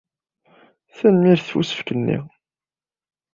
Tanemmirt ɣef usefk-nni.